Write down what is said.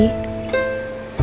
aku akan lupakan